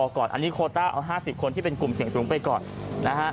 ก่อนอันนี้โคต้าเอา๕๐คนที่เป็นกลุ่มเสี่ยงสูงไปก่อนนะฮะ